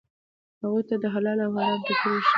هغوی ته د حلال او حرامو توپیر وښایئ.